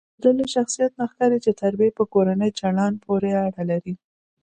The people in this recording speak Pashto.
دده له شخصیت نه ښکاري چې تربیه په کورني چلند پورې اړه لري.